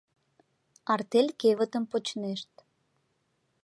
Артель кевытым почнешт.